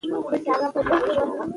که فشار کم وي نو تمرکز زیاتېږي.